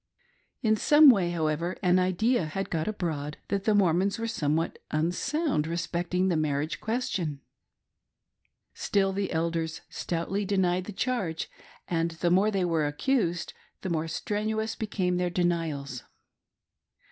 In some way, however, an idea had got abroad that the Mor mons were somewhat unsound respecting the marriage ques tion. Still the elders stoutly denied the charge, and the more they were accused the more strenuous became their denials.